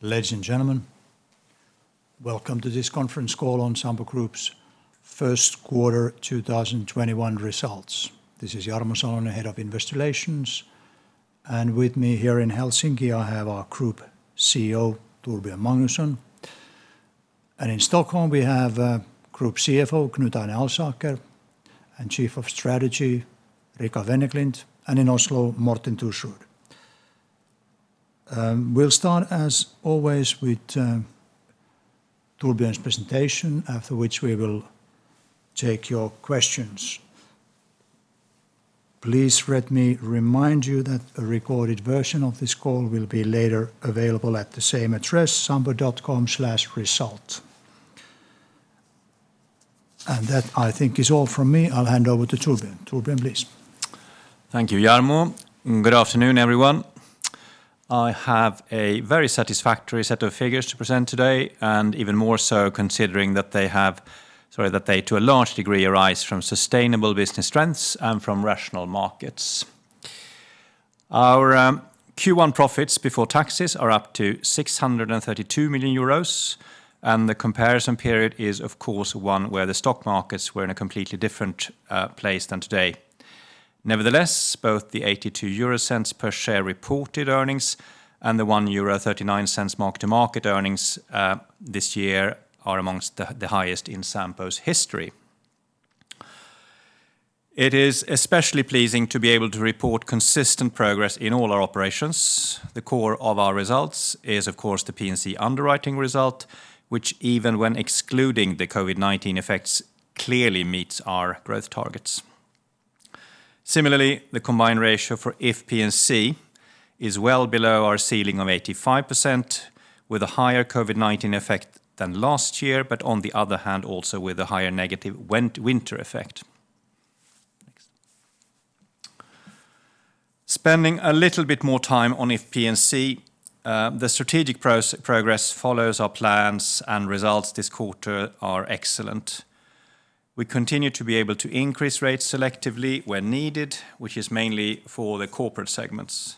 Ladies and gentlemen, welcome to this conference call on Sampo Group's Q1 2021 results. This is Jarmo Salonen, Head of Investor Relations. With me here in Helsinki, I have our Group CEO, Torbjörn Magnusson. In Stockholm, we have Group CFO, Knut Arne Alsaker, and Chief of Strategy, Ricard Wennerklint, and in Oslo, Morten Thorsrud. We'll start as always with Torbjörn's presentation, after which we will take your questions. Please let me remind you that a recorded version of this call will be later available at the same address, sampo.com/results. That, I think, is all from me. I'll hand over to Torbjörn. Torbjörn, please. Thank you, Jarmo. Good afternoon, everyone. I have a very satisfactory set of figures to present today. Even more so considering that they, to a large degree, arise from sustainable business strengths and from rational markets. Our Q1 profits before taxes are up to 632 million euros. The comparison period is, of course, one where the stock markets were in a completely different place than today. Nevertheless, both the 0.82 per share reported earnings and the 1.39 euro mark to market earnings this year are amongst the highest in Sampo's history. It is especially pleasing to be able to report consistent progress in all our operations. The core of our results is, of course, the P&C underwriting result, which even when excluding the COVID-19 effects, clearly meets our growth targets. Similarly, the combined ratio for If P&C is well below our ceiling of 85%, with a higher COVID-19 effect than last year, on the other hand, also with a higher negative winter effect. Next. Spending a little bit more time on If P&C, the strategic progress follows our plans and results this quarter are excellent. We continue to be able to increase rates selectively where needed, which is mainly for the corporate segments.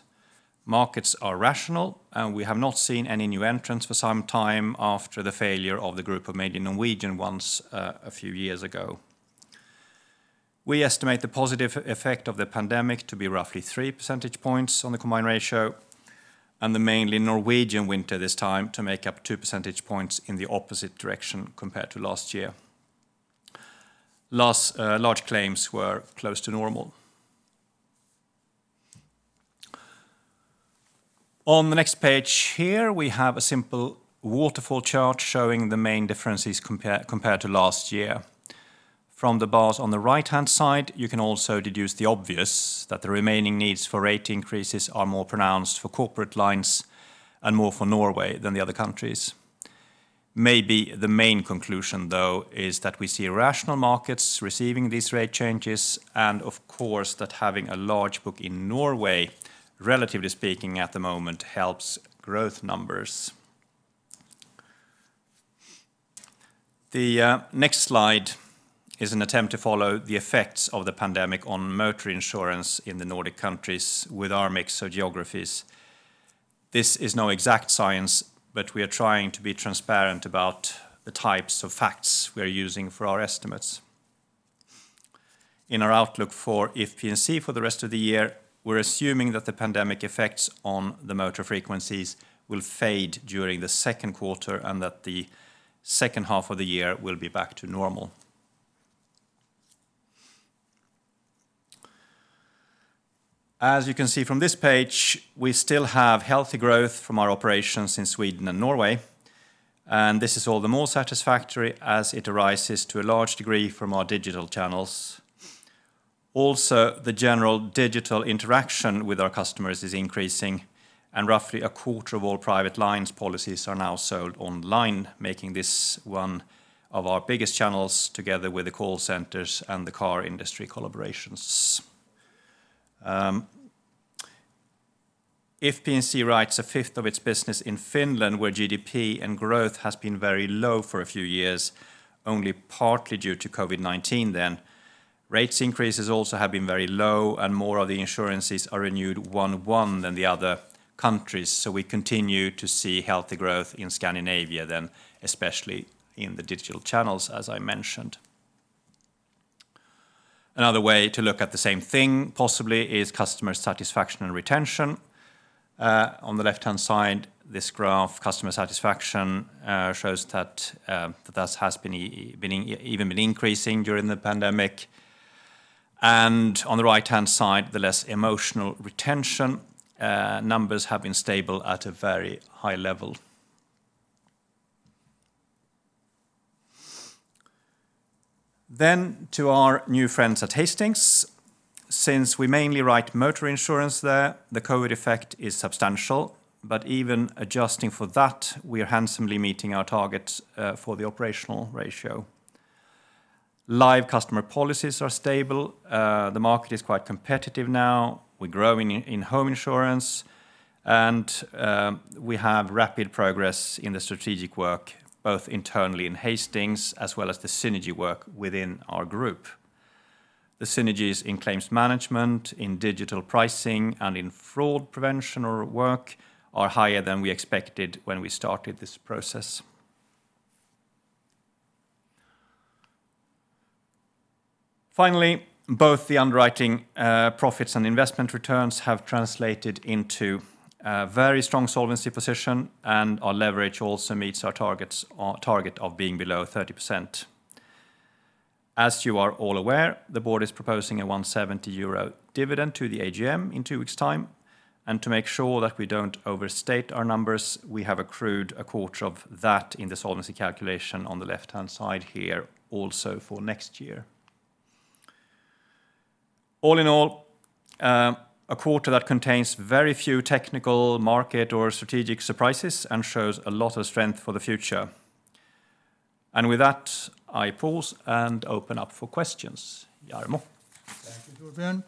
Markets are rational, we have not seen any new entrants for some time after the failure of the group of mainly Norwegian ones a few years ago. We estimate the positive effect of the pandemic to be roughly three percentage points on the combined ratio, the mainly Norwegian winter this time to make up two percentage points in the opposite direction compared to last year. Large claims were close to normal. On the next page here, we have a simple waterfall chart showing the main differences compared to last year. From the bars on the right-hand side, you can also deduce the obvious, that the remaining needs for rate increases are more pronounced for corporate lines and more for Norway than the other countries. Maybe the main conclusion, though, is that we see rational markets receiving these rate changes, and of course, that having a large book in Norway, relatively speaking at the moment, helps growth numbers. The next slide is an attempt to follow the effects of the pandemic on motor insurance in the Nordic countries with our mix of geographies. This is no exact science, but we are trying to be transparent about the types of facts we are using for our estimates. In our outlook for If P&C for the rest of the year, we are assuming that the pandemic effects on the motor frequencies will fade during the Q2, and that the second half of the year will be back to normal. As you can see from this page, we still have healthy growth from our operations in Sweden and Norway, and this is all the more satisfactory as it arises to a large degree from our digital channels. Also, the general digital interaction with our customers is increasing, and roughly a quarter of all private lines policies are now sold online, making this one of our biggest channels, together with the call centers and the car industry collaborations. If P&C writes a fifth of its business in Finland, where GDP and growth has been very low for a few years, only partly due to COVID-19 then, rates increases also have been very low, and more of the insurances are renewed one-one than the other countries. We continue to see healthy growth in Scandinavia then, especially in the digital channels, as I mentioned. Another way to look at the same thing, possibly, is customer satisfaction and retention. On the left-hand side, this graph, customer satisfaction shows that thus has even been increasing during the pandemic. On the right-hand side, the less emotional retention numbers have been stable at a very high level. To our new friends at Hastings. Since we mainly write motor insurance there, the COVID effect is substantial, but even adjusting for that, we are handsomely meeting our targets for the operating ratio. Live customer policies are stable. The market is quite competitive now. We're growing in home insurance, and we have rapid progress in the strategic work, both internally in Hastings as well as the synergy work within our group. The synergies in claims management, in digital pricing, and in fraud prevention or work are higher than we expected when we started this process. Finally, both the underwriting profits and investment returns have translated into a very strong solvency position, and our leverage also meets our target of being below 30%. As you are all aware, the board is proposing a 1.70 euro dividend to the AGM in two weeks' time. To make sure that we don't overstate our numbers, we have accrued a quarter of that in the solvency calculation on the left-hand side here, also for next year. All in all, a quarter that contains very few technical market or strategic surprises and shows a lot of strength for the future. With that, I pause and open up for questions. Jarmo. Thank you, Torbjörn.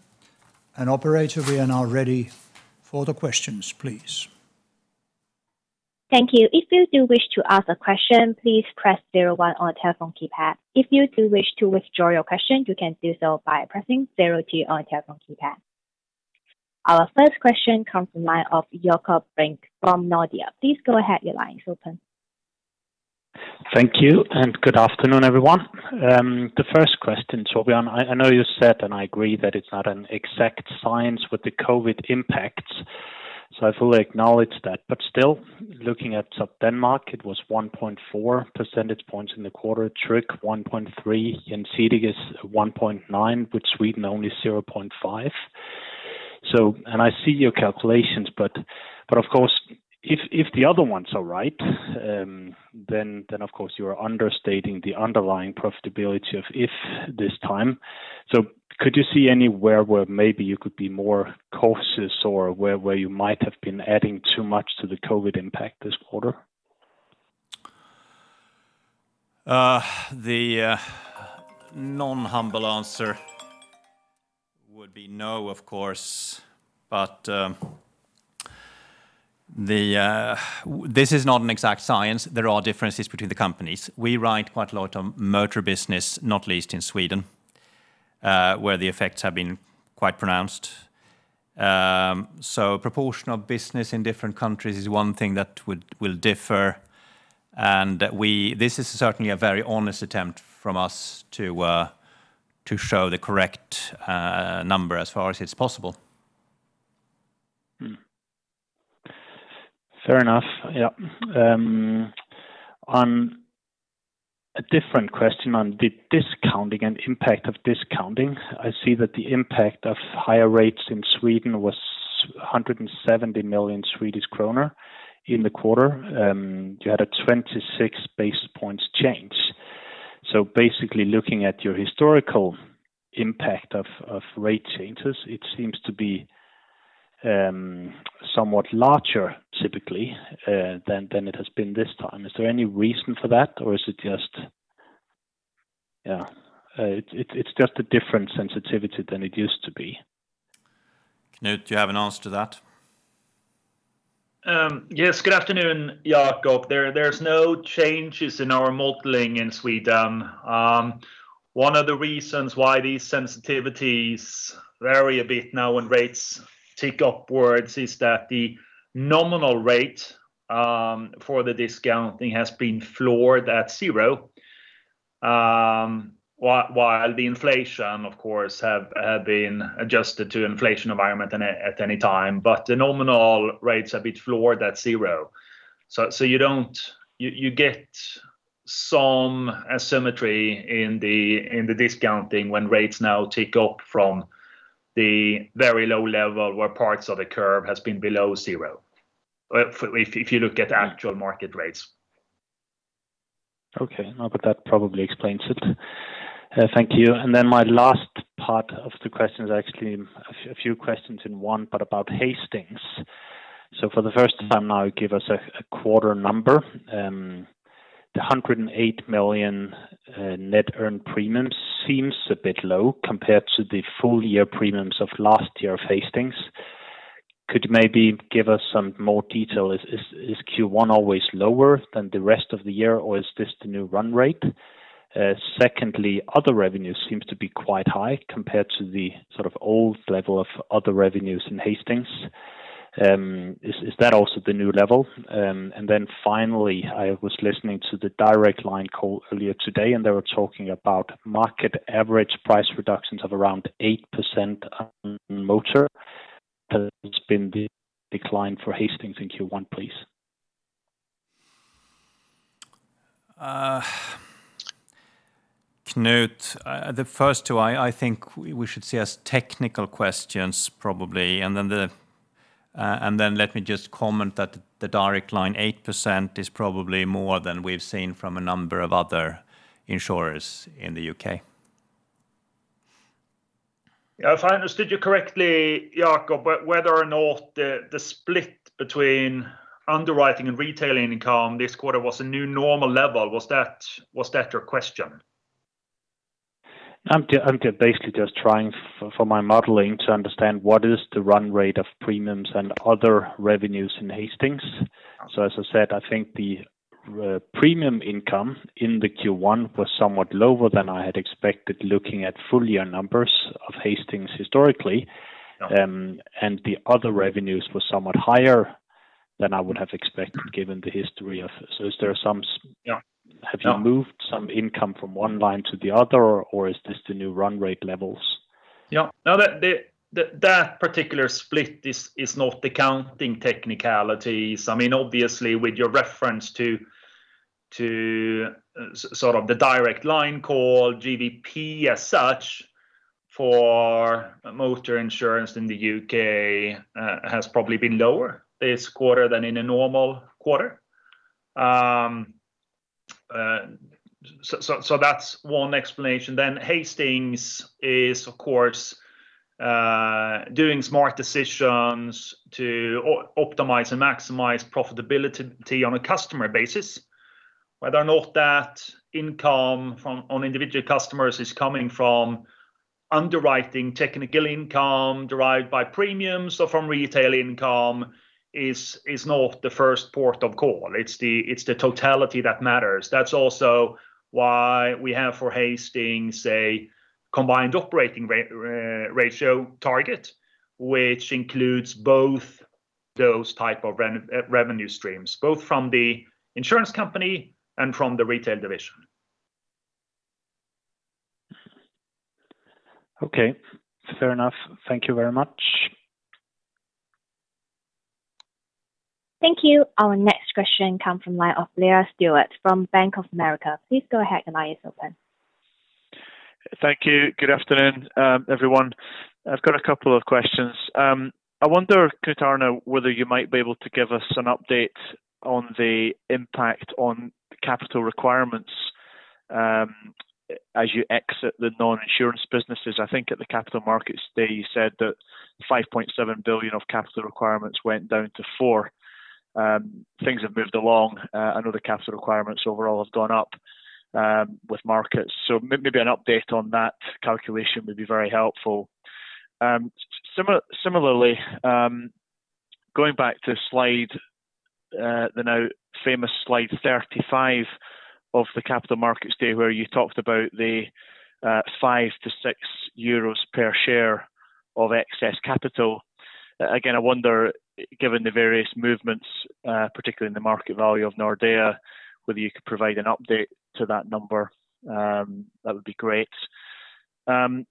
Operator, we are now ready for the questions, please. Thank you. If you do wish to ask a question, please press zero one on your telephone keypad. If you do wish to withdraw your question, you can do so by pressing zero two on your telephone keypad. Our first question comes from line of Jakob Brink from Nordea. Please go ahead, your line is open. Thank you, and good afternoon, everyone. The first question, Torbjörn, I know you said, and I agree that it's not an exact science with the COVID impacts, so I fully acknowledge that. Still, looking at Denmark, it was 1.4 percentage points in the quarter, TRIC 1.3, and Cedig is 1.9, with Sweden only 0.5. I see your calculations, but of course, if the other ones are right, then of course you are understating the underlying profitability of IF this time. Could you see anywhere where maybe you could be more cautious or where you might have been adding too much to the COVID impact this quarter? The non-humble answer would be no, of course. This is not an exact science. There are differences between the companies. We write quite a lot of motor business, not least in Sweden, where the effects have been quite pronounced. Proportion of business in different countries is one thing that will differ. This is certainly a very honest attempt from us to show the correct number as far as it's possible. Fair enough. Yeah. On a different question on the discounting and impact of discounting, I see that the impact of higher rates in Sweden was 170 million Swedish kronor in the quarter. You had a 26 basis points change. Basically, looking at your historical impact of rate changes, it seems to be somewhat larger typically, than it has been this time. Is there any reason for that, or is it just a different sensitivity than it used to be? Knut, do you have an answer to that? Yes. Good afternoon, Jakob. There's no changes in our modeling in Sweden. One of the reasons why these sensitivities vary a bit now when rates tick upwards is that the nominal rate for the discounting has been floored at zero, while the inflation, of course, have been adjusted to inflation environment at any time. The nominal rates are a bit floored at zero. You get some asymmetry in the discounting when rates now tick up from the very low level where parts of the curve has been below zero, if you look at the actual market rates. Okay. No, that probably explains it. Thank you. My last part of the question is actually a few questions in one, about Hastings. For the first time now, give us a quarter number. The 108 million net earned premiums seems a bit low compared to the full-year premiums of last year of Hastings. Could you maybe give us some more detail? Is Q1 always lower than the rest of the year, or is this the new run rate? Secondly, other revenues seems to be quite high compared to the sort of old level of other revenues in Hastings. Is that also the new level? Finally, I was listening to the Direct Line call earlier today, and they were talking about market average price reductions of around eight percent on motor. Has there been the decline for Hastings in Q1, please? Knut, the first two, I think we should see as technical questions probably, and then let me just comment that the Direct Line eight percent is probably more than we've seen from a number of other insurers in the U.K. If I understood you correctly, Jakob, but whether or not the split between underwriting and retailing income this quarter was a new normal level, was that your question? I'm basically just trying for my modeling to understand what is the run rate of premiums and other revenues in Hastings. As I said, I think the premium income in the Q1 was somewhat lower than I had expected, looking at full year numbers of Hastings historically. Yeah. The other revenues were somewhat higher than I would have expected given the history. Have you moved some income from one line to the other, or is this the new run rate levels? Yeah. No, that particular split is not accounting technicalities. Obviously, with your reference to the Direct Line call, GWP as such for motor insurance in the U.K. has probably been lower this quarter than in a normal quarter. That's one explanation. Hastings is, of course, doing smart decisions to optimize and maximize profitability on a customer basis, whether or not that income on individual customers is coming from underwriting technical income derived by premiums or from retail income is not the first port of call. It's the totality that matters. That's also why we have, for Hastings, a combined operating ratio target, which includes both those type of revenue streams, both from the insurance company and from the retail division. Okay. Fair enough. Thank you very much. Thank you. Our next question comes from the line of Blair Stewart from Bank of America. Please go ahead, the line is open. Thank you. Good afternoon, everyone. I've got a couple of questions. I wonder, Knut Arne Alsaker, whether you might be able to give us an update on the impact on capital requirements as you exit the non-insurance businesses. I think at the Capital Markets Day, you said that 5.7 billion of capital requirements went down to four. Things have moved along. I know the capital requirements overall have gone up with markets. Maybe an update on that calculation would be very helpful. Similarly, going back to the now famous slide 35 of the Capital Markets Day where you talked about the 5- 6 euros per share of excess capital. Again, I wonder, given the various movements, particularly in the market value of Nordea, whether you could provide an update to that number. That would be great. Finally,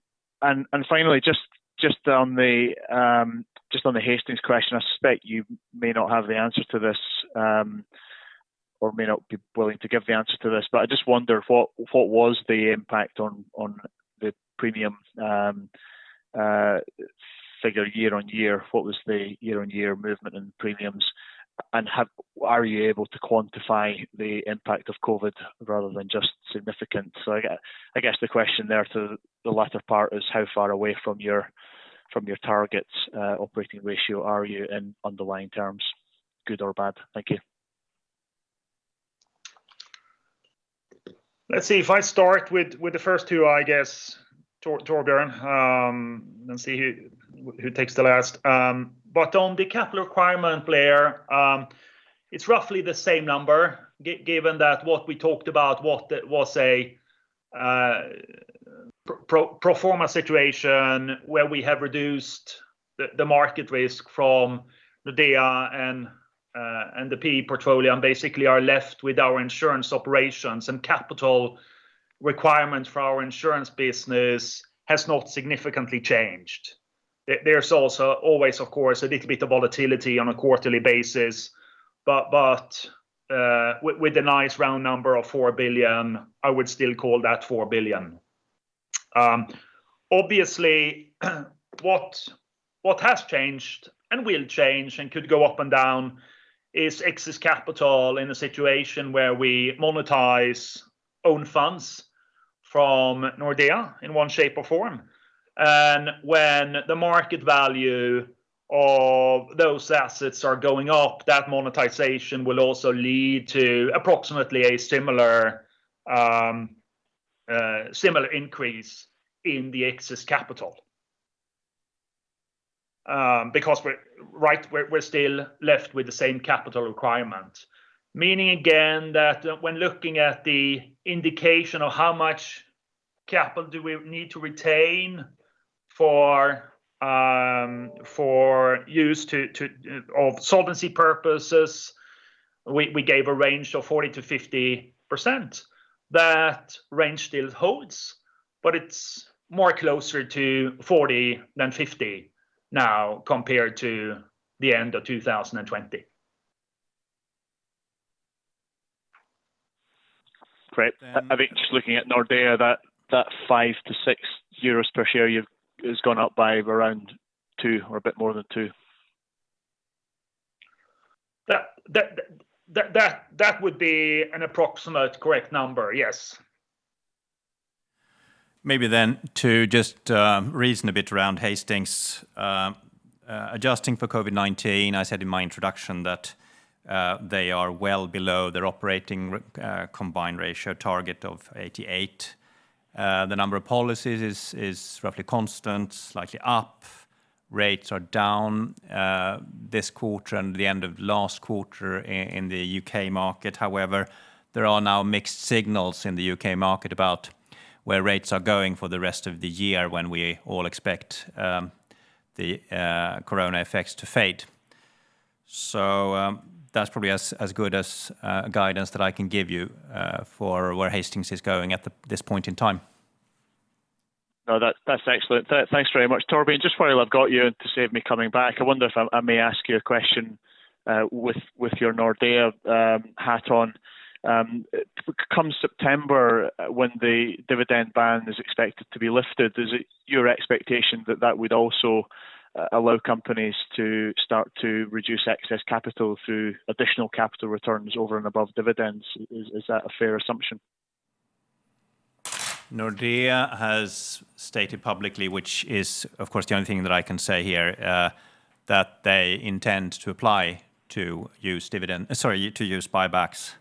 just on the Hastings question, I suspect you may not have the answer to this, or may not be willing to give the answer to this, but I just wonder what was the impact on the premium figure year-over-year? What was the year-over-year movement in premiums? Are you able to quantify the impact of COVID rather than just significant? I guess the question there to the latter part is how far away from your targets operating ratio are you in underlying terms, good or bad? Thank you. Let's see. If I start with the first two, I guess, Torbjörn, and see who takes the last. On the capital requirement, Blair, it's roughly the same number given that what we talked about, what was a pro forma situation where we have reduced the market risk from Nordea and the PE portfolio, and basically are left with our insurance operations and capital requirements for our insurance business has not significantly changed. There's also always, of course, a little bit of volatility on a quarterly basis. With a nice round number of 4 billion, I would still call that 4 billion. Obviously, what has changed and will change and could go up and down is excess capital in a situation where we monetize own funds from Nordea in one shape or form. When the market value of those assets are going up, that monetization will also lead to approximately a similar increase in the excess capital. We're still left with the same capital requirement, meaning again, that when looking at the indication of how much capital do we need to retain for use of solvency purposes, we gave a range of 40%-50%. That range still holds, but it's more closer to 40 than 50 now compared to the end of 2020. Great. I think just looking at Nordea, that 5 - 6 euros per share has gone up by around two or a bit more than two. That would be an approximate correct number, yes. Maybe to just reason a bit around Hastings. Adjusting for COVID-19, I said in my introduction that they are well below their operating combined ratio target of 88. The number of policies is roughly constant, slightly up. Rates are down this quarter and the end of last quarter in the U.K. market. There are now mixed signals in the U.K. market about where rates are going for the rest of the year, when we all expect the corona effects to fade. That's probably as good as guidance that I can give you for where Hastings is going at this point in time. No, that's excellent. Thanks very much, Torbjörn. Just while I've got you, and to save me coming back, I wonder if I may ask you a question with your Nordea hat on. Come September, when the dividend ban is expected to be lifted, is it your expectation that that would also allow companies to start to reduce excess capital through additional capital returns over and above dividends? Is that a fair assumption? Nordea has stated publicly, which is, of course, the only thing that I can say here, that they intend to apply to use buybacks,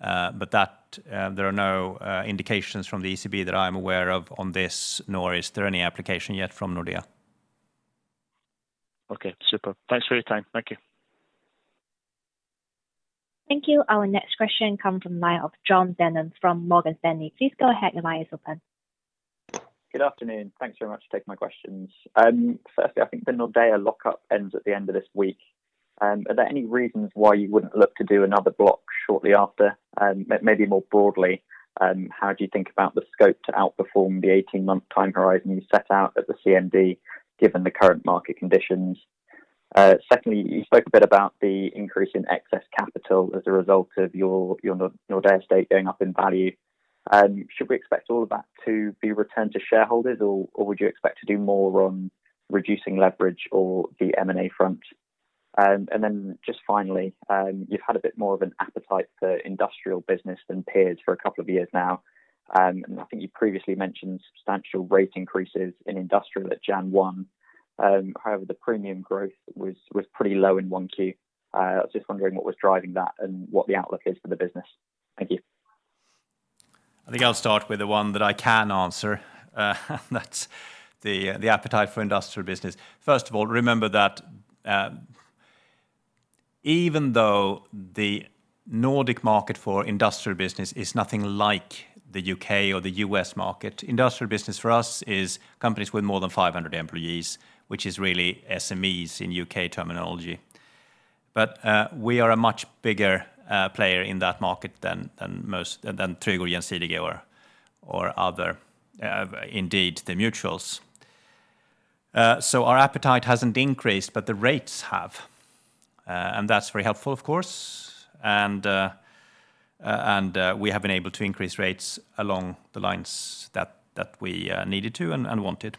but there are no indications from the ECB that I am aware of on this, nor is there any application yet from Nordea. Okay. Super. Thanks for your time. Thank you. Thank you. Our next question comes from the line of John Zainos from Morgan Stanley. Please go ahead, your line is open. Good afternoon. Thanks very much for taking my questions. Firstly, I think the Nordea lockup ends at the end of this week. Are there any reasons why you wouldn't look to do another block shortly after? Maybe more broadly, how do you think about the scope to outperform the 18-month time horizon you set out at the CMD, given the current market conditions? Secondly, you spoke a bit about the increase in excess capital as a result of your Nordea stake going up in value. Should we expect all of that to be returned to shareholders, or would you expect to do more on reducing leverage or the M&A front? Just finally, you've had a bit more of an appetite for industrial business than peers for a couple of years now. I think you previously mentioned substantial rate increases in industrial at Jan 1. The premium growth was pretty low in 1Q. I was just wondering what was driving that and what the outlook is for the business. Thank you. I think I'll start with the one that I can answer, and that's the appetite for industrial business. First of all, remember that even though the Nordic market for industrial business is nothing like the U.K. or the U.S. market, industrial business for us is companies with more than 500 employees, which is really SMEs in U.K. terminology. We are a much bigger player in that market than Tryg or other, indeed, the mutuals. Our appetite hasn't increased, but the rates have, and that's very helpful of course. We have been able to increase rates along the lines that we needed to and wanted.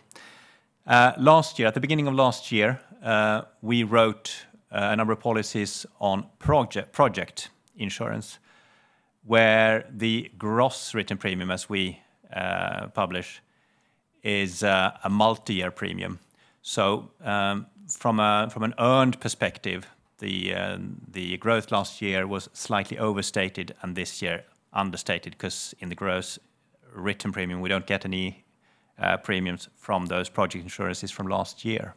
At the beginning of last year, we wrote a number of policies on project insurance where the gross written premium, as we publish, is a multi-year premium. From an earned perspective, the growth last year was slightly overstated and this year understated, because in the gross written premium, we don't get any premiums from those project insurances from last year.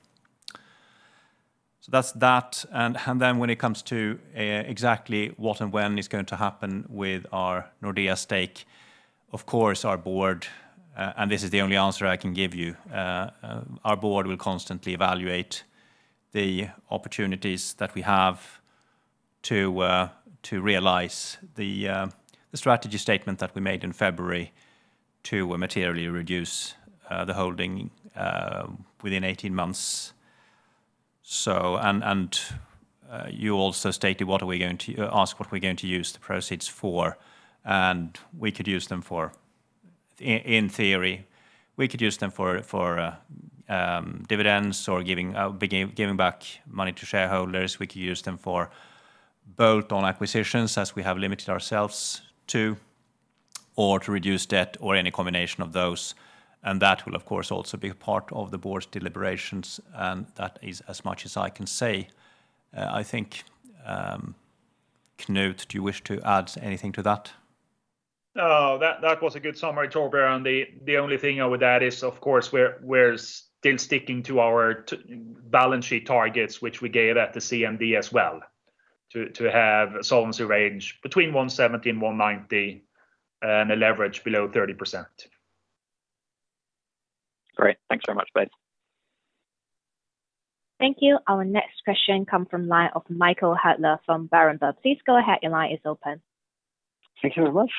That's that. When it comes to exactly what and when is going to happen with our Nordea stake, of course our board, and this is the only answer I can give you, our board will constantly evaluate the opportunities that we have to realize the strategy statement that we made in February to materially reduce the holding within 18 months. You also asked what are we going to use the proceeds for. In theory, we could use them for dividends or giving back money to shareholders. We could use them for bolt-on acquisitions, as we have limited ourselves to, or to reduce debt or any combination of those. That will, of course, also be a part of the board's deliberations. That is as much as I can say. I think, Knut, do you wish to add anything to that? No, that was a good summary, Torbjörn. The only thing I would add is, of course, we are still sticking to our balance sheet targets, which we gave at the CMD as well, to have solvency range between 170% and 190% and a leverage below 30%. Great. Thanks very much both. Thank you. Our next question come from line of Michael Huttner from Berenberg. Please go ahead, your line is open. Thank you very much.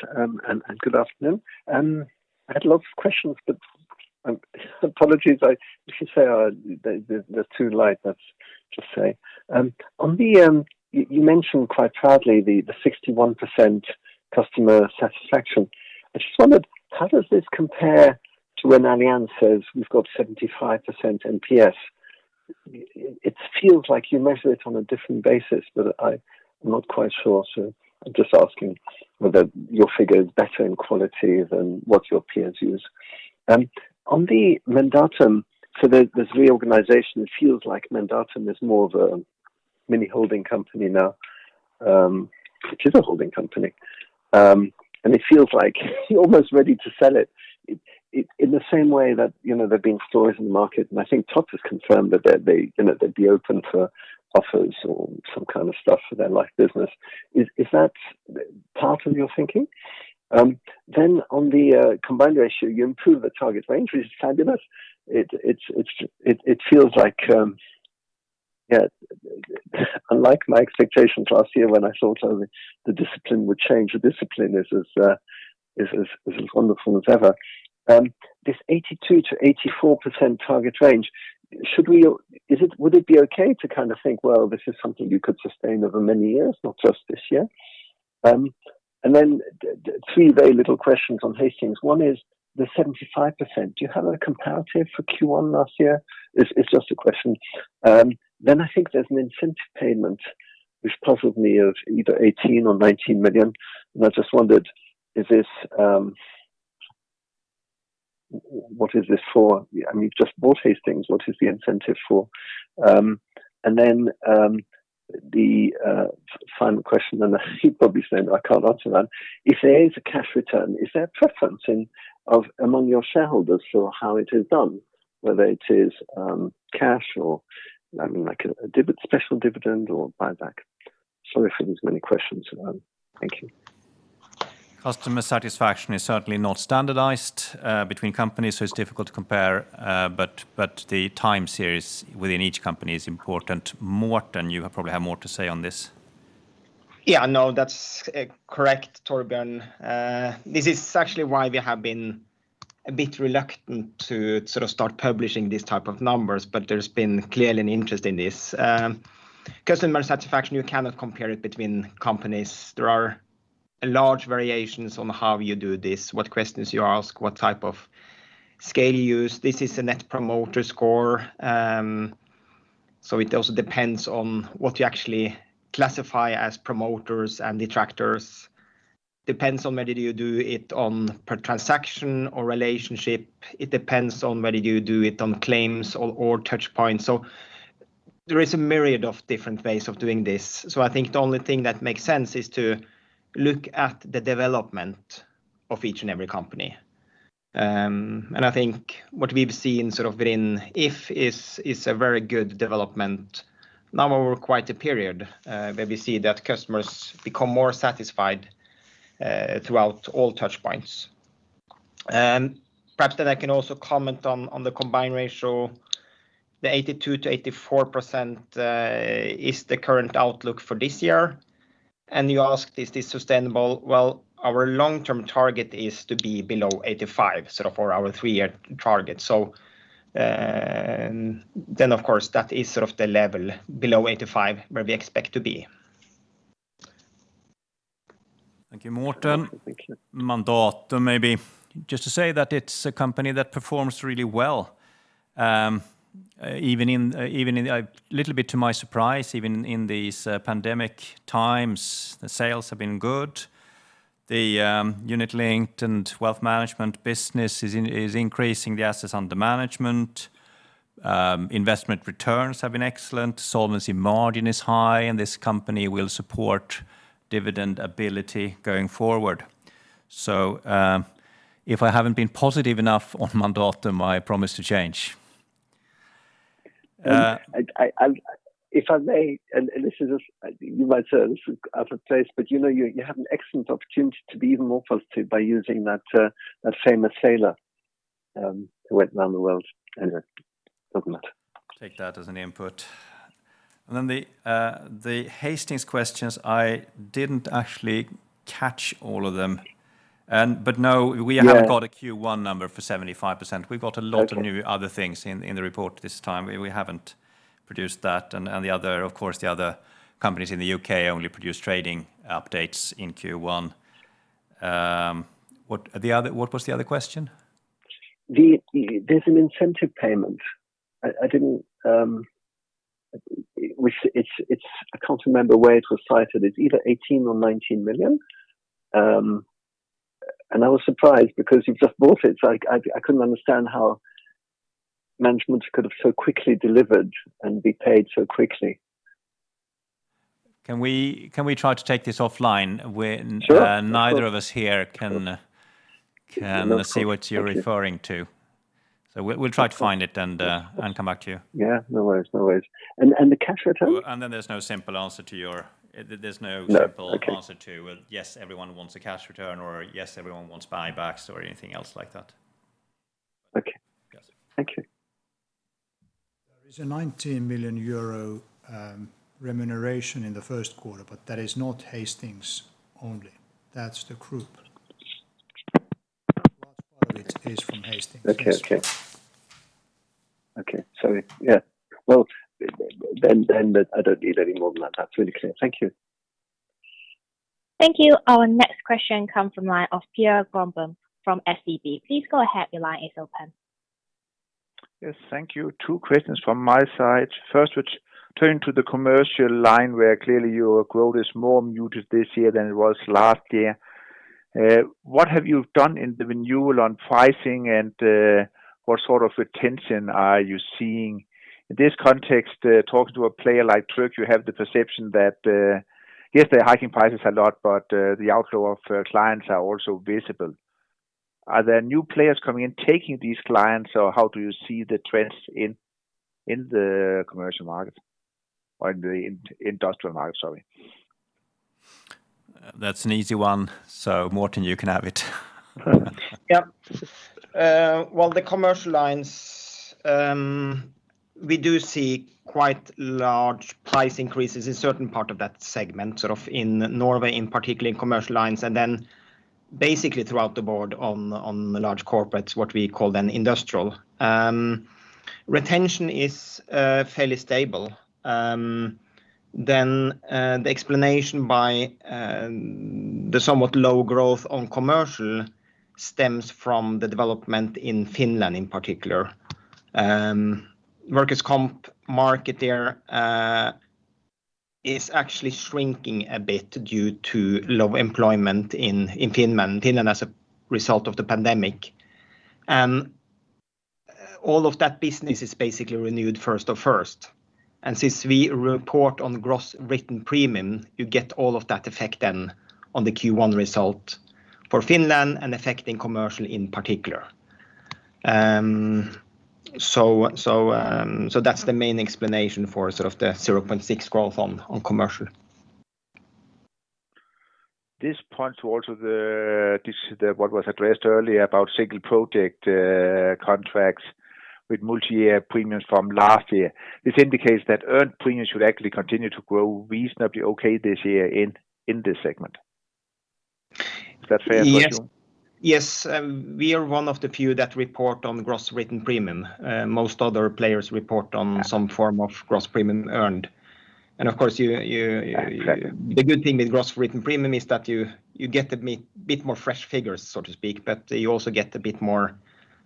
Good afternoon. I had lots of questions. Apologies, I should say, they're too light, let's just say. You mentioned quite proudly the 61% customer satisfaction. I just wondered, how does this compare to when Allianz says we've got 75% NPS? It feels like you measure it on a different basis, but I'm not quite sure, so I'm just asking whether your figure is better in quality than what your peers use. On the Mandatum, this reorganization, it feels like Mandatum is more of a mini holding company now, which is a holding company. It feels like you're almost ready to sell it in the same way that there have been stories in the market, and I think Topdanmark has confirmed that they'd be open for offers or some kind of stuff for their life business. Is that part of your thinking? On the combined ratio, you improve the target range, which is fabulous. It feels like, unlike my expectations last year when I thought the discipline would change, the discipline is as wonderful as ever. This 82%-84% target range, would it be okay to think, well, this is something you could sustain over many years, not just this year? Three very little questions on Hastings. One is the 75%. Do you have a comparative for Q1 last year? It's just a question. I think there's an incentive payment which puzzled me of either 18 million or 19 million, and I just wondered, what is this for? You've just bought Hastings, what is the incentive for? The final question, and you'll probably say I can't answer that. If there is a cash return, is there preferencing among your shareholders for how it is done, whether it is cash or a special dividend or buyback? Sorry for these many questions. Thank you. Customer satisfaction is certainly not standardized between companies, so it is difficult to compare, but the time series within each company is important. Morten, you probably have more to say on this. Yeah, no, that's correct, Torbjörn. This is actually why we have been a bit reluctant to start publishing these type of numbers. There's been clearly an interest in this. Customer satisfaction, you cannot compare it between companies. There are large variations on how you do this, what questions you ask, what type of scale you use. This is a net promoter score. It also depends on what you actually classify as promoters and detractors, depends on whether you do it on per transaction or relationship. It depends on whether you do it on claims or touch points. There is a myriad of different ways of doing this. I think the only thing that makes sense is to look at the development of each and every company. I think what we've seen within If is a very good development now over quite a period, where we see that customers become more satisfied throughout all touch points. Perhaps I can also comment on the combined ratio. The 82%-84% is the current outlook for this year. You asked, is this sustainable? Well, our long-term target is to be below 85% for our three-year target. Of course, that is the level below 85% where we expect to be. Thank you, Morten. Mandatum, maybe just to say that it's a company that performs really well. A little bit to my surprise, even in these pandemic times, the sales have been good. The unit-linked and wealth management business is increasing the assets under management. Investment returns have been excellent. Solvency margin is high, and this company will support dividend ability going forward. If I haven't been positive enough on Mandatum, I promise to change. If I may, and you might say this is out of place, but you have an excellent opportunity to be even more positive by using that famous sailor who went around the world. Anyway, doesn't matter. Take that as an input. Then the Hastings questions, I didn't actually catch all of them. No, we haven't got a Q1 number for 75%. We've got a lot of new other things in the report this time. We haven't produced that. Of course, the other companies in the U.K. only produce trading updates in Q1. What was the other question? There's an incentive payment. I can't remember where it was cited. It's either 18 million or 19 million, and I was surprised because you've just bought it. I couldn't understand how management could have so quickly delivered and be paid so quickly. Can we try to take this offline when. Sure neither of us here can see what you're referring to. We'll try to find it and come back to you. Yeah, no worries. The cash return? There's no simple answer to, well, yes, everyone wants a cash return, or yes, everyone wants buybacks or anything else like that. Okay. Yes. Thank you. There is a 19 million euro remuneration in the Q1, but that is not Hastings only. That's the group. A large part of it is from Hastings. Okay. Sorry. Yeah. Well, then I don't need any more than that. That's really clear. Thank you. Thank you. Our next question comes from line of Per Grönborg from SEB. Please go ahead. Your line is open. Yes. Thank you. Two questions from my side. First, which turn to the commercial line where clearly your growth is more muted this year than it was last year. What have you done in the renewal on pricing, and what sort of retention are you seeing? In this context, talking to a player like Zurich, you have the perception that, yes, they're hiking prices a lot, but the outflow of clients are also visible. Are there new players coming in taking these clients, or how do you see the trends in the commercial market, or in the industrial market, sorry? That's an easy one, so Morten, you can have it. Well, the commercial lines, we do see quite large price increases in certain part of that segment, in Norway in particular in commercial lines, and basically throughout the board on the large corporates, what we call then industrial. Retention is fairly stable. The explanation by the somewhat low growth on commercial stems from the development in Finland in particular. Workers' comp market there is actually shrinking a bit due to low employment in Finland as a result of the pandemic. All of that business is basically renewed first of first. Since we report on gross written premium, you get all of that effect then on the Q1 result for Finland, and affecting commercial in particular. That's the main explanation for the 0.6% growth on commercial. This points to also what was addressed earlier about single project contracts with multi-year premiums from last year. This indicates that earned premiums should actually continue to grow reasonably okay this year in this segment. Is that a fair assumption? Yes. We are one of the few that report on gross written premium. Most other players report on some form of gross premium earned. Of course, the good thing with gross written premium is that you get a bit more fresh figures, so to speak, but you also get a bit more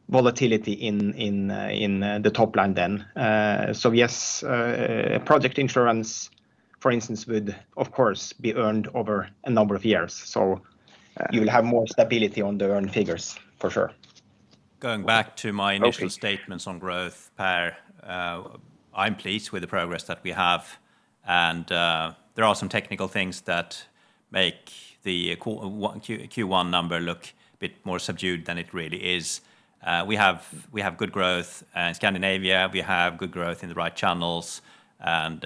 volatility in the top line then. Yes, project insurance, for instance, would of course be earned over a number of years. You will have more stability on the earned figures, for sure. Going back to my initial statements on growth, Per, I'm pleased with the progress that we have, and there are some technical things that make the Q1 number look a bit more subdued than it really is. We have good growth in Scandinavia, we have good growth in the right channels, and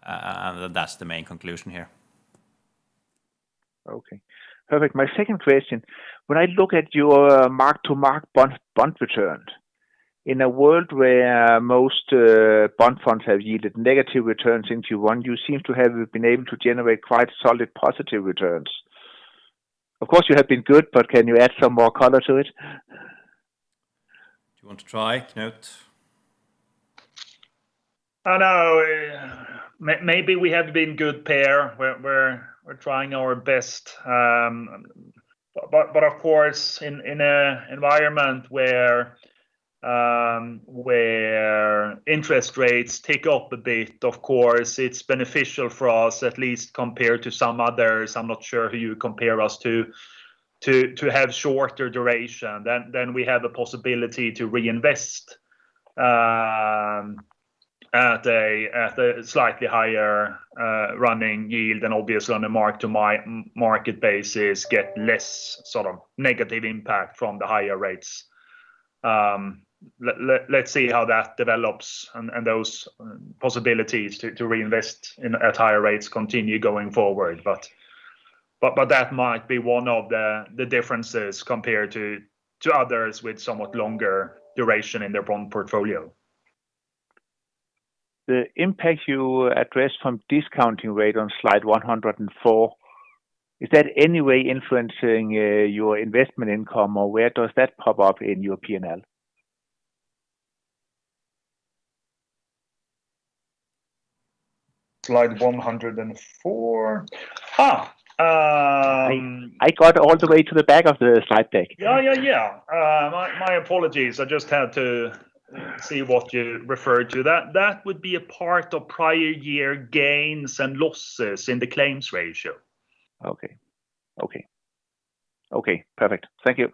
that's the main conclusion here. Okay. Perfect. My second question, when I look at your mark-to-market bond returns, in a world where most bond funds have yielded negative returns in Q1, you seem to have been able to generate quite solid positive returns. Of course, you have been good, but can you add some more color to it? Do you want to try, Knut? No. Maybe we have been good, Per. We're trying our best. Of course, in an environment where interest rates tick up a bit, of course, it's beneficial for us, at least compared to some others, I'm not sure who you compare us to have shorter duration. We have a possibility to reinvest at a slightly higher running yield, and obviously on a mark-to-market basis, get less negative impact from the higher rates. Let's see how that develops, and those possibilities to reinvest at higher rates continue going forward. That might be one of the differences compared to others with somewhat longer duration in their bond portfolio. The impact you address from discounting rate on slide 104, is that any way influencing your investment income, or where does that pop up in your P&L? Slide 104. I got all the way to the back of the slide deck. Yeah. My apologies. I just had to see what you referred to. That would be a part of prior year gains and losses in the claims ratio. Okay. Perfect. Thank you.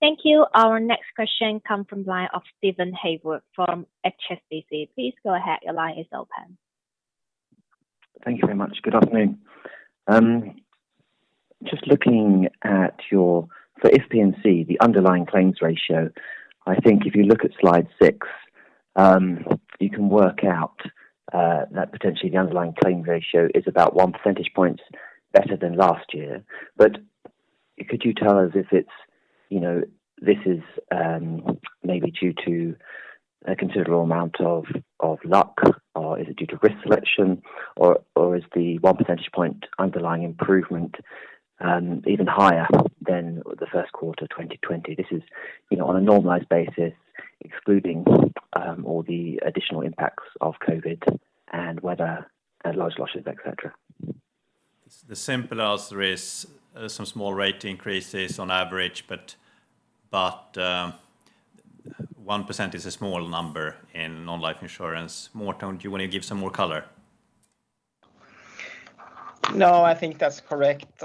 Thank you. Our next question come from line of Steven Haywood from HSBC. Please go ahead. Thank you very much. Good afternoon. Just looking at your, for If P&C, the underlying claims ratio, I think if you look at slide six, you can work out that potentially the underlying claims ratio is about one percentage point better than last year. Could you tell us if this is maybe due to a considerable amount of luck, or is it due to risk selection, or is the one percentage point underlying improvement even higher than the Q1 2020? This is on a normalized basis, excluding all the additional impacts of COVID-19 and weather, large losses, et cetera. The simple answer is some small rate increases on average, but one percent is a small number in non-life insurance. Morten, do you want to give some more color? No, I think that's correct.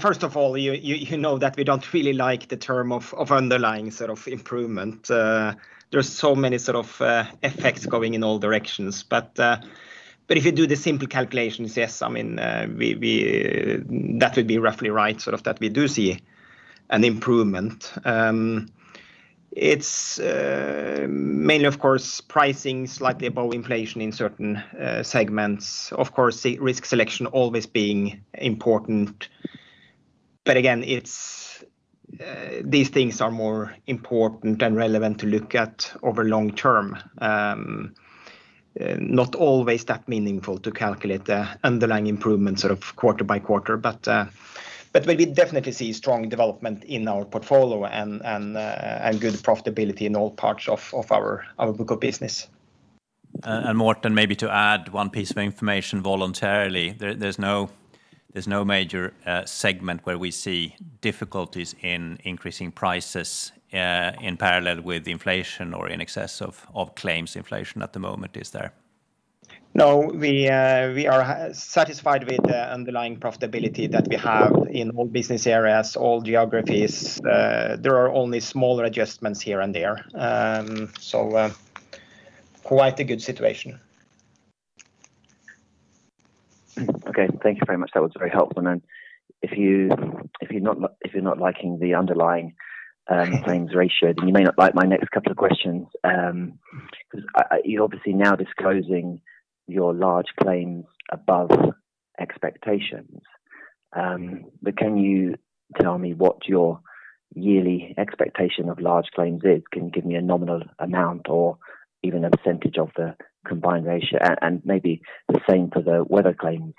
First of all, you know that we don't really like the term of underlying set of improvement. There's so many effects going in all directions. If you do the simple calculations, yes, that would be roughly right, that we do see an improvement. It's mainly, of course, pricing slightly above inflation in certain segments. Of course, risk selection always being important. Again, these things are more important and relevant to look at over long term. Not always that meaningful to calculate the underlying improvement quarter by quarter, but we definitely see strong development in our portfolio and good profitability in all parts of our book of business. Morten, maybe to add one piece of information voluntarily, there's no major segment where we see difficulties in increasing prices in parallel with inflation or in excess of claims inflation at the moment, is there? We are satisfied with the underlying profitability that we have in all business areas, all geographies. There are only smaller adjustments here and there. Quite a good situation. Okay. Thank you very much. That was very helpful. If you're not liking the underlying claims ratio, then you may not like my next couple of questions, because you're obviously now disclosing your large claims above expectations. Can you tell me what your yearly expectation of large claims is? Can you give me a nominal amount or even a percentage of the combined ratio? Maybe the same for the weather claims.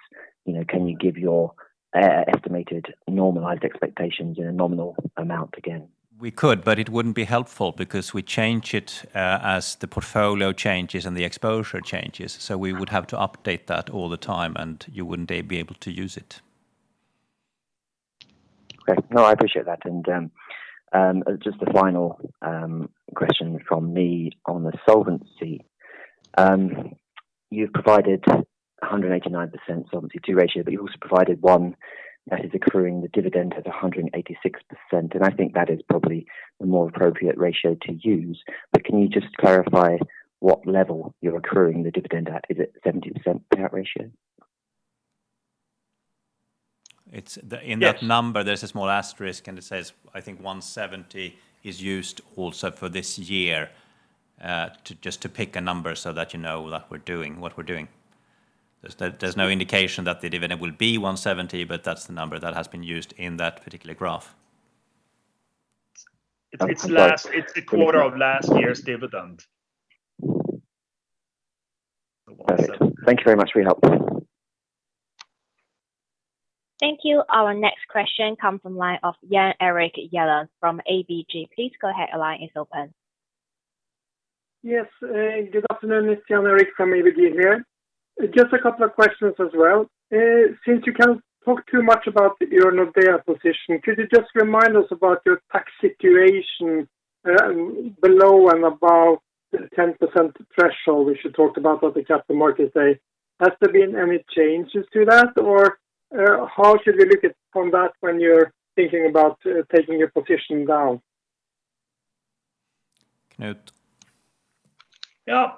Can you give your estimated normalized expectations in a nominal amount again? We could, but it wouldn't be helpful because we change it as the portfolio changes and the exposure changes. We would have to update that all the time, and you wouldn't be able to use it. Okay. No, I appreciate that. Just a final question from me on the solvency. You've provided 189% Solvency II ratio, but you also provided one that is accruing the dividend at 186%, and I think that is probably the more appropriate ratio to use. Can you just clarify what level you're accruing the dividend at? Is it 70% payout ratio? In that number, there's a small asterisk and it says, I think 170 is used also for this year, just to pick a number so that you know that we're doing what we're doing. There's no indication that the dividend will be 170. That's the number that has been used in that particular graph. It's a quarter of last year's dividend. Perfect. Thank you very much. Really helpful. Thank you. Our next question come from line of Jan Erik Gjerland from ABG. Please go ahead. Your line is open. Yes. Good afternoon. It's Jan Erik from ABG here. Just a couple of questions as well. Since you can't talk too much about your Nordea position, could you just remind us about your tax situation below and above the 10% threshold, which you talked about at the Capital Markets Day. Has there been any changes to that, or how should we look at from that when you're thinking about taking your position down? Knut. Yeah.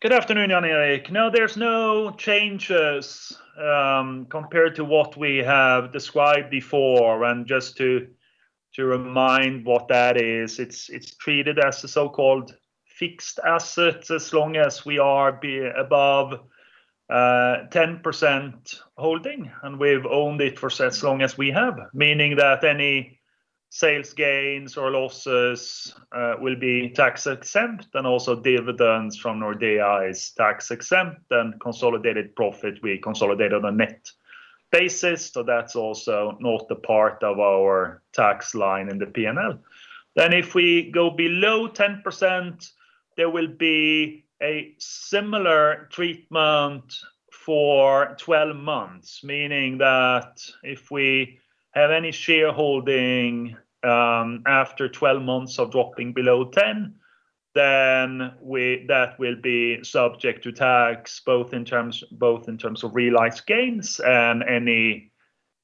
Good afternoon, Jan Erik. No, there's no changes compared to what we have described before. Just to remind what that is, it's treated as a so-called fixed asset as long as we are above 10% holding, and we've owned it for as long as we have, meaning that any sales gains or losses will be tax exempt, and also dividends from Nordea is tax exempt, and consolidated profit, we consolidate on a net basis, so that's also not a part of our tax line in the P&L. If we go below 10%, there will be a similar treatment for 12 months, meaning that if we have any shareholding after 12 months of dropping below 10, then that will be subject to tax, both in terms of realized gains and any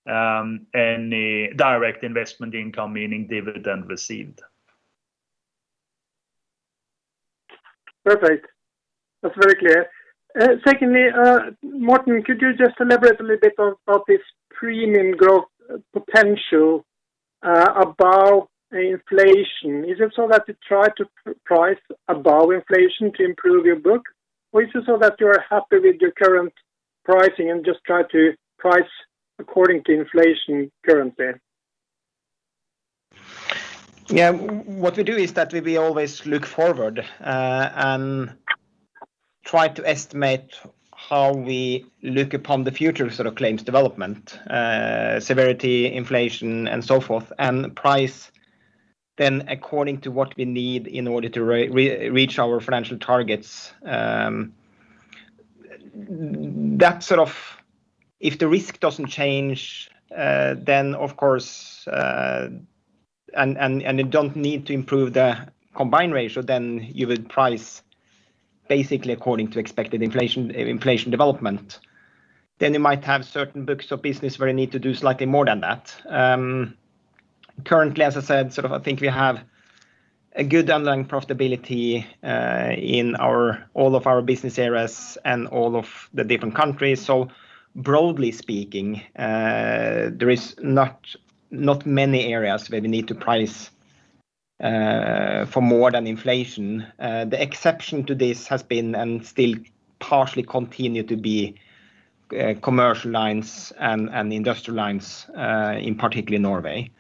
direct investment income, meaning dividend received. Perfect. That's very clear. Secondly, Morten, could you just elaborate a little bit on this premium growth potential above inflation? Is it so that you try to price above inflation to improve your book, or is it so that you are happy with your current pricing and just try to price according to inflation currently? Yeah. What we do is that we always look forward, and try to estimate how we look upon the future claims development, severity, inflation, and so forth, and price then according to what we need in order to reach our financial targets. If the risk doesn't change, and you don't need to improve the combined ratio, you would price basically according to expected inflation development. You might have certain books of business where you need to do slightly more than that. Currently, as I said, I think we have a good underlying profitability in all of our business areas and all of the different countries. Broadly speaking, there is not many areas where we need to price for more than inflation. The exception to this has been, and still partially continue to be, commercial lines and industrial lines, in particular in Norway.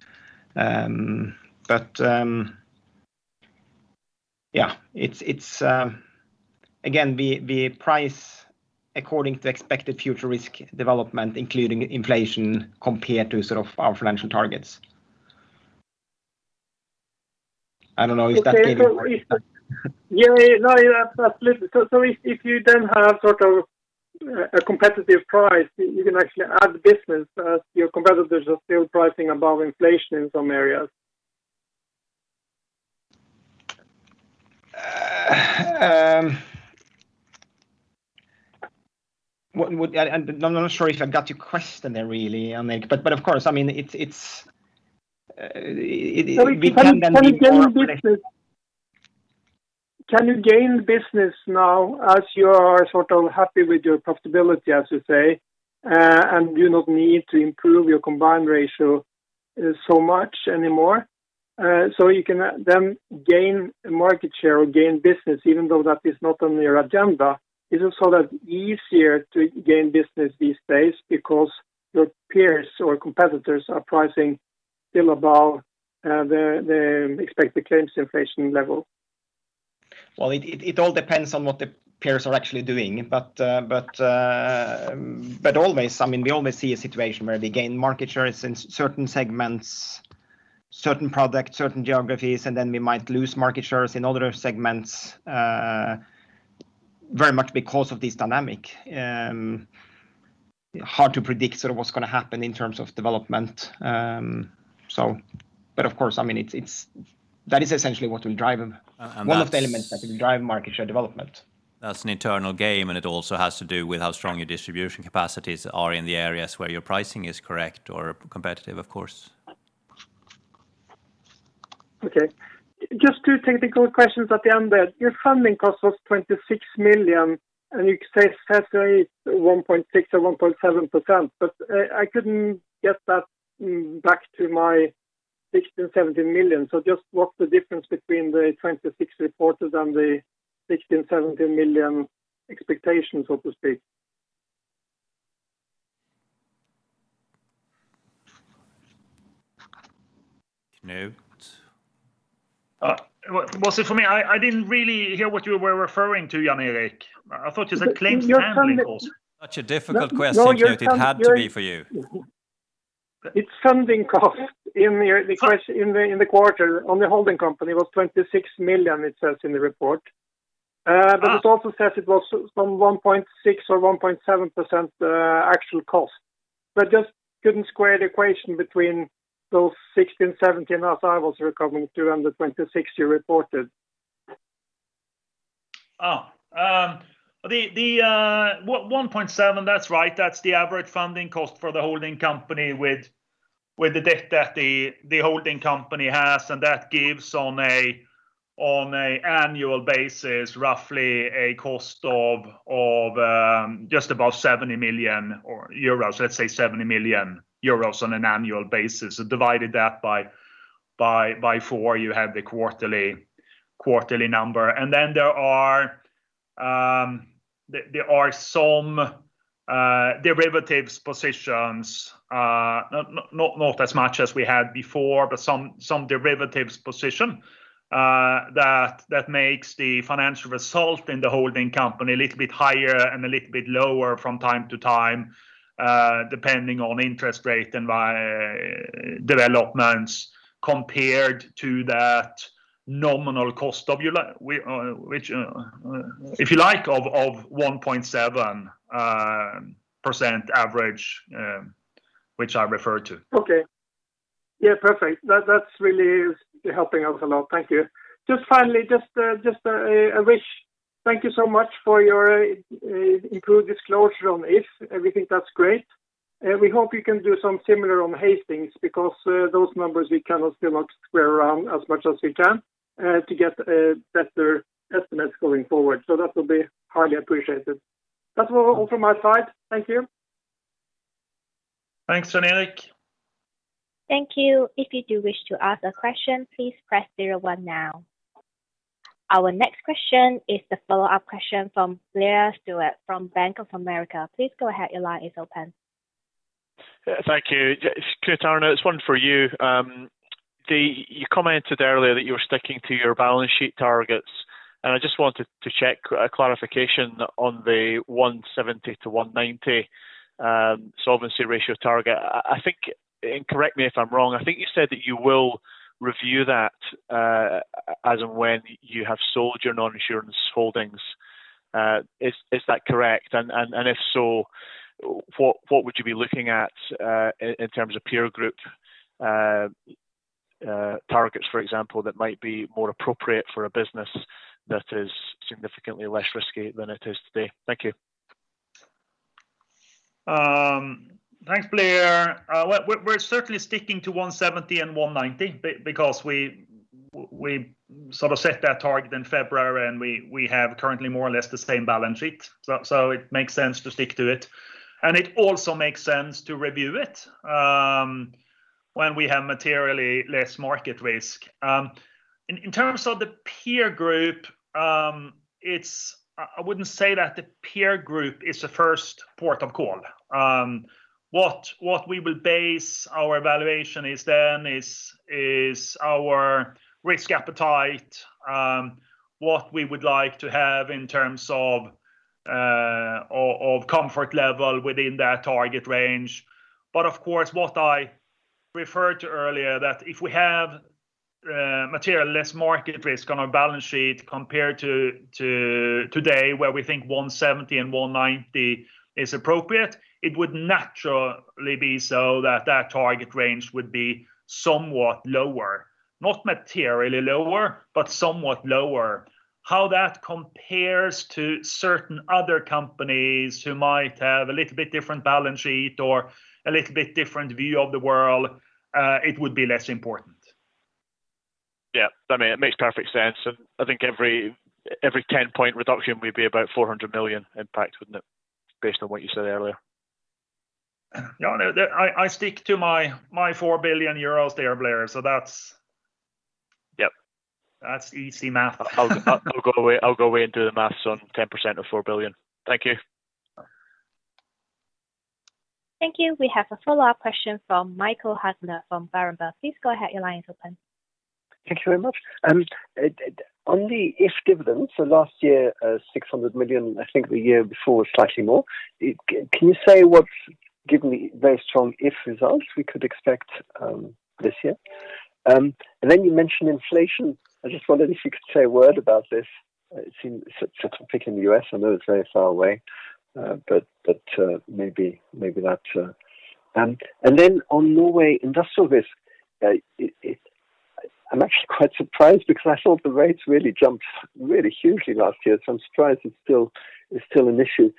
Again, we price according to expected future risk development, including inflation compared to our financial targets. Yeah, no, that's clear. If you then have a competitive price, you can actually add business as your competitors are still pricing above inflation in some areas. I'm not sure if I got your question there really, Jan Erik, but of course, it's- Can you gain business now as you are happy with your profitability, as you say, and do not need to improve your combined ratio so much anymore? You can then gain market share or gain business, even though that is not on your agenda. Is it easier to gain business these days because your peers or competitors are pricing still above the expected claims inflation level? Well, it all depends on what the peers are actually doing. Always, we always see a situation where we gain market shares in certain segments, certain products, certain geographies, and then we might lose market shares in other segments, very much because of this dynamic. Hard to predict what's going to happen in terms of development. Of course, that is essentially one of the elements that will drive market share development. That's an internal game, and it also has to do with how strong your distribution capacities are in the areas where your pricing is correct or competitive, of course. Okay. Just two technical questions at the end there. Your funding cost was 26 million, and you say it's 1.6% or 1.7%, but I couldn't get that back to my 16 million, 17 million. Just what's the difference between the 26 reported and the 16 million, 17 million expectations, so to speak? Knut? Was it for me? I didn't really hear what you were referring to, Jan Erik. I thought you said claims handling costs. Such a difficult question, Knut. It had to be for you. Its funding cost in the quarter on the holding company was 26 million, it says in the report. It also says it was some 1.6% or 1.7% actual cost. Just couldn't square the equation between those 16%, 17% as I was recovering to, and the 26% you reported. The 1.7% that's right. That's the average funding cost for the holding company with the debt that the holding company has. That gives, on a annual basis, roughly a cost of just about 70 million or euros, let's say 70 million euros on an annual basis. Divide that by four, you have the quarterly number. Then there are some derivatives positions, not as much as we had before, but some derivatives position that makes the financial result in the holding company a little bit higher and a little bit lower from time to time, depending on interest rate and by developments compared to that nominal cost of your If you like, of 1.7% average, which I referred to. Okay. Yeah, perfect. That's really helping us a lot. Thank you. Just finally, just a wish. Thank you so much for your improved disclosure on If. We think that's great. We hope you can do some similar on Hastings, because those numbers we cannot still not square around as much as we can to get better estimates going forward. That will be highly appreciated. That's all from my side. Thank you. Thanks, Jan Erik. Thank you. If you do wish to ask a question, please press zero one now. Our next question is the follow-up question from Blair Stewart from Bank of America. Please go ahead. Your line is open. Thank you. Knut Arne, it's one for you. You commented earlier that you were sticking to your balance sheet targets. I just wanted to check a clarification on the 170-190 solvency ratio target. Correct me if I'm wrong, I think you said that you will review that as and when you have sold your non-insurance holdings. Is that correct? If so, what would you be looking at in terms of peer group targets, for example, that might be more appropriate for a business that is significantly less risky than it is today? Thank you. Thanks, Blair. We're certainly sticking to 170 and 190 because we set that target in February. We have currently more or less the same balance sheet, it makes sense to stick to it. It also makes sense to review it when we have materially less market risk. In terms of the peer group, I wouldn't say that the peer group is the first port of call. What we will base our evaluation is then is our risk appetite, what we would like to have in terms of comfort level within that target range. Of course, what I referred to earlier, that if we have materially less market risk on our balance sheet compared to today where we think 170 and 190 is appropriate, it would naturally be so that that target range would be somewhat lower. Not materially lower, but somewhat lower. How that compares to certain other companies who might have a little bit different balance sheet or a little bit different view of the world, it would be less important. Yeah. It makes perfect sense. I think every 10-point reduction would be about 400 million impact, wouldn't it? Based on what you said earlier. Yeah, no, I stick to my 4 billion euros there, Blair. that's- Yep That's easy math. I'll go away and do the math on 10% of 4 billion. Thank you. Thank you. We have a follow-up question from Michael Huttner from Berenberg. Please go ahead, your line is open. Thank you very much. On the If dividend, last year, 600 million, I think the year before was slightly more. Can you say what's given the very strong If results we could expect this year? You mentioned inflation. I just wondered if you could say a word about this. It seems it's a topic in the U.S. I know it's very far away, maybe that. On Norway Industrial Risk, I'm actually quite surprised because I thought the rates really jumped hugely last year, I'm surprised it's still an issue.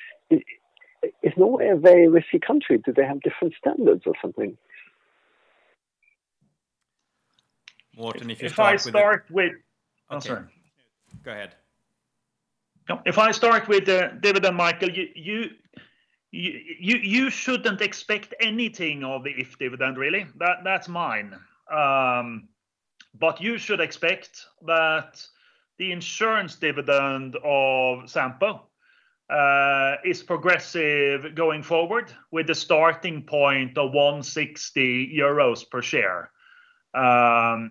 Is Norway a very risky country? Do they have different standards or something? Morten, if you start with it. If I start with Oh, sorry. Okay. Go ahead. If I start with the dividend, Michael, you shouldn't expect anything of the If dividend, really. That's mine. You should expect that the insurance dividend of Sampo is progressive going forward with the starting point of 1.60 euros per share,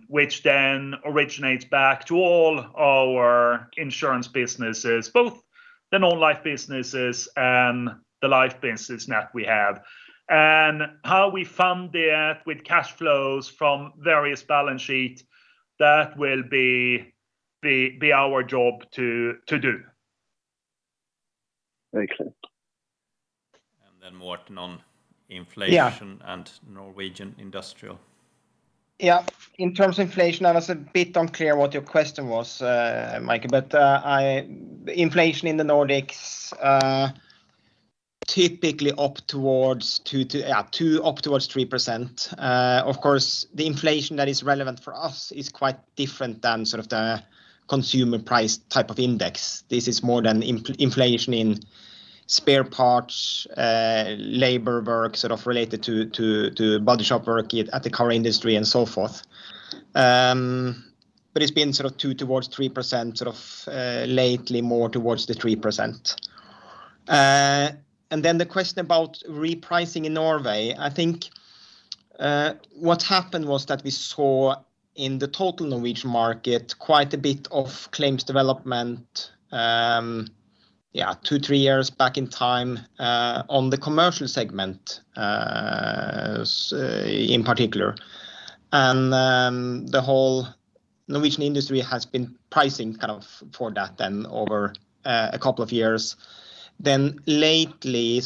which originates back to all our insurance businesses, both the non-life businesses and the life business that we have. How we fund that with cash flows from various balance sheet, that will be our job to do. Very clear. Morten on inflation. Yeah Norwegian Industrial. Yeah. In terms of inflation, I was a bit unclear what your question was, Michael, but inflation in the Nordics, typically up towards two percent up towards three percent. The inflation that is relevant for us is quite different than the consumer price type of index. This is more than inflation in spare parts, labor work sort of related to body shop work at the car industry and so forth. It's been two towards three percent, lately more towards the three percent. The question about repricing in Norway, I think what happened was that we saw in the total Norwegian market quite a bit of claims development, yeah, two, three years back in time, on the commercial segment in particular. The whole Norwegian industry has been pricing for that then over a couple of years. Lately,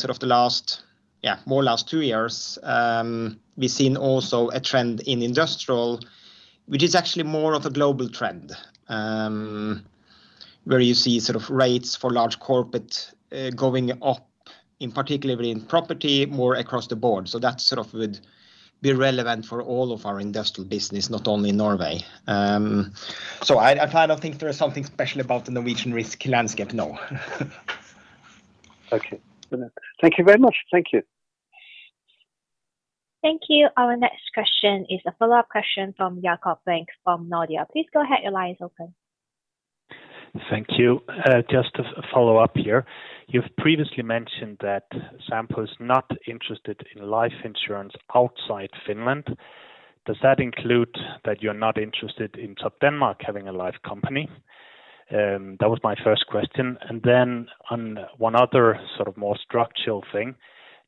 more last two years, we've seen also a trend in industrial, which is actually more of a global trend, where you see rates for large corporate going up, in particularly in property more across the board. That would be relevant for all of our industrial business, not only in Norway. I don't think there is something special about the Norwegian risk landscape, no. Okay. Thank you very much. Thank you. Thank you. Our next question is a follow-up question from Jakob Wenng from Nordea. Please go ahead, your line is open. Thank you. Just a follow-up here. You've previously mentioned that Sampo is not interested in life insurance outside Finland. Does that include that you're not interested in Topdanmark having a life company? That was my first question. On one other sort of more structural thing,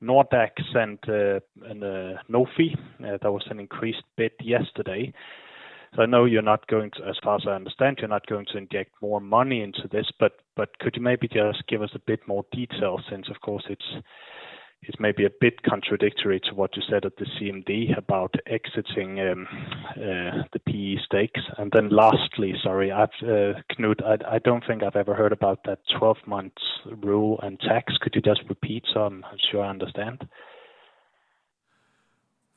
Nordax and NOFI, there was an increased bid yesterday. I know, as far as I understand, you're not going to inject more money into this, but could you maybe give us a bit more detail? Since, of course, it's maybe a bit contradictory to what you said at the CMD about exiting the PE stakes. Lastly, sorry, Knut-Arne, I don't think I've ever heard about that 12 months rule and tax. Could you just repeat so I'm sure I understand?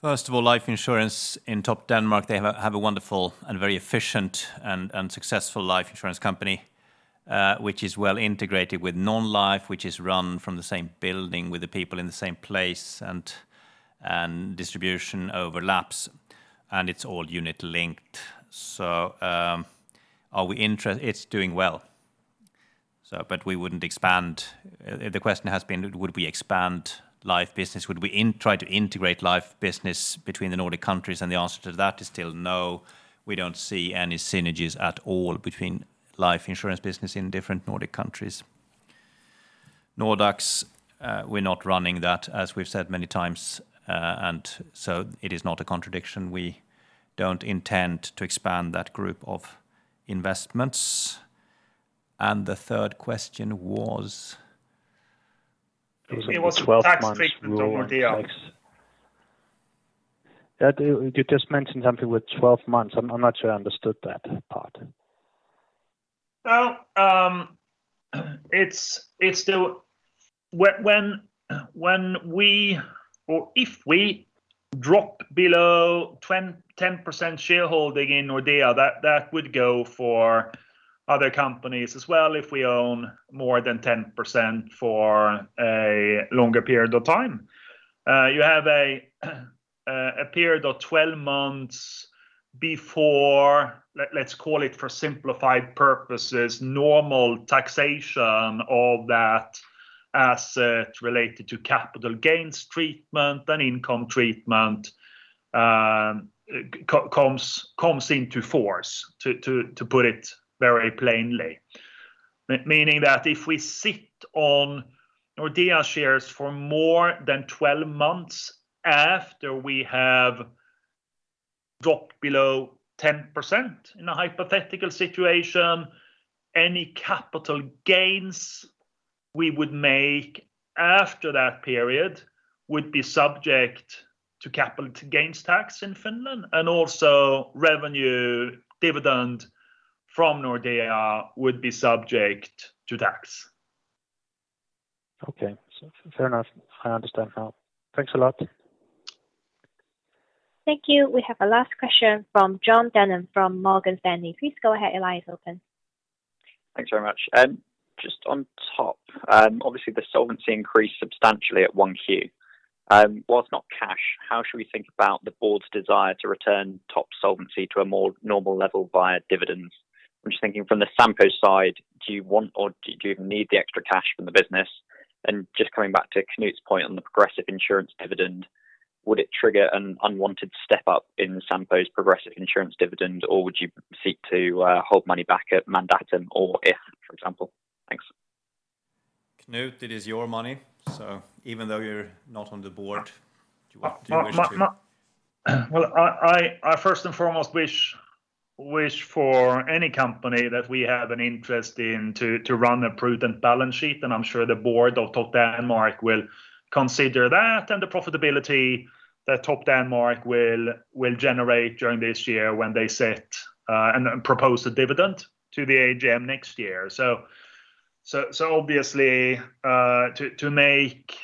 First of all, life insurance in Topdanmark, they have a wonderful and very efficient and successful life insurance company, which is well integrated with non-life, which is run from the same building with the people in the same place and distribution overlaps, and it's all unit-linked. It's doing well. We wouldn't expand. The question has been would we expand life business? Would we try to integrate life business between the Nordic countries? The answer to that is still no. We don't see any synergies at all between life insurance business in different Nordic countries. Nordax, we're not running that, as we've said many times. It is not a contradiction. We don't intend to expand that group of investments. The third question was? It was the tax treatment of Nordea. You just mentioned something with 12 months. I'm not sure I understood that part. Well, if we drop below 10% shareholding in Nordea, that would go for other companies as well if we own more than 10% for a longer period of time. You have a period of 12 months before, let's call it for simplified purposes, normal taxation of that asset related to capital gains treatment and income treatment comes into force, to put it very plainly. Meaning that if we sit on Nordea shares for more than 12 months after we have dropped below 10%, in a hypothetical situation, any capital gains we would make after that period would be subject to capital gains tax in Finland, and also revenue dividend from Nordea would be subject to tax. Okay. Fair enough. I understand now. Thanks a lot. Thank you. We have a last question from Jon Denham from Morgan Stanley. Please go ahead, your line is open. Thanks very much. Just on top, obviously the solvency increased substantially at Q1. Whilst not cash, how should we think about the board's desire to return top solvency to a more normal level via dividends? I'm just thinking from the Sampo side, do you want or do you need the extra cash from the business? Just coming back to Knut's point on the progressive insurance dividend, would it trigger an unwanted step up in Sampo's progressive insurance dividend, or would you seek to hold money back at Mandatum or If, for example? Thanks. Knut, it is your money. Even though you're not on the board, do you wish to. Well, I first and foremost wish for any company that we have an interest in to run a prudent balance sheet. I'm sure the board of Topdanmark will consider that and the profitability that Topdanmark will generate during this year when they set and propose a dividend to the AGM next year. Obviously, to make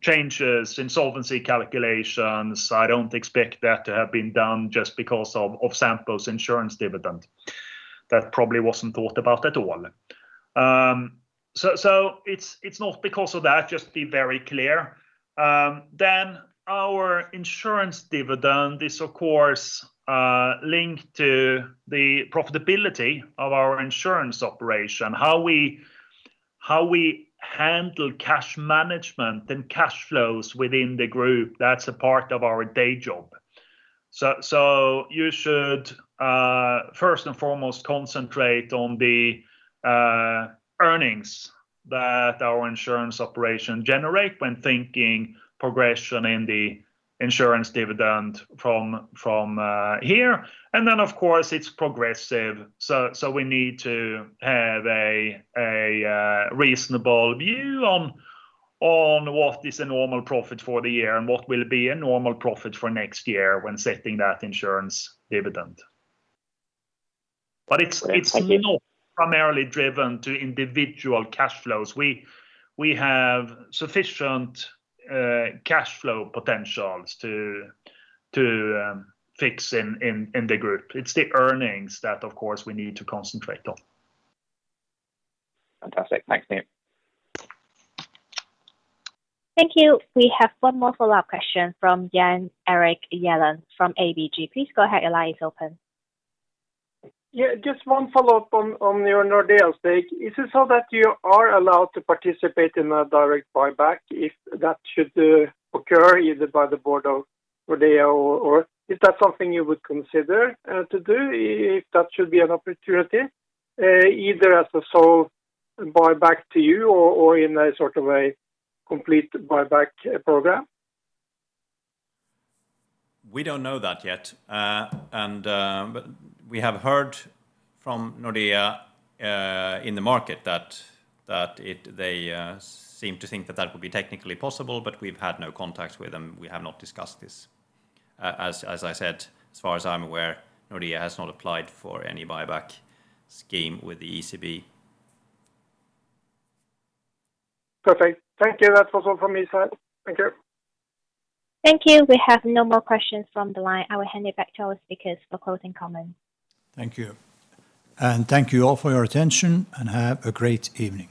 changes in solvency calculations, I don't expect that to have been done just because of Sampo's insurance dividend. That probably wasn't thought about at all. It's not because of that, just to be very clear. Our insurance dividend is of course linked to the profitability of our insurance operation. How we handle cash management and cash flows within the group, that's a part of our day job. You should first and foremost concentrate on the earnings that our insurance operation generate when thinking progression in the insurance dividend from here. Of course, it's progressive, so we need to have a reasonable view on what is a normal profit for the year and what will be a normal profit for next year when setting that insurance dividend. It's not primarily driven to individual cash flows. We have sufficient cash flow potentials to fix in the Group. It's the earnings that, of course, we need to concentrate on. Fantastic. Thanks, Knut. Thank you. We have one more follow-up question from Jan Erik Gjerland from ABG. Please go ahead, your line is open. Yeah, just one follow-up on your Nordea stake. Is it so that you are allowed to participate in a direct buyback if that should occur either by the board of Nordea? Is that something you would consider to do if that should be an opportunity, either as a sole buyback to you or in a sort of a complete buyback program? We don't know that yet. We have heard from Nordea in the market that they seem to think that that would be technically possible, but we've had no contact with them. We have not discussed this. As I said, as far as I'm aware, Nordea has not applied for any buyback scheme with the ECB. Perfect. Thank you. That was all from me, sir. Thank you. Thank you. We have no more questions from the line. I will hand it back to our speakers for closing comments. Thank you. Thank you all for your attention, and have a great evening.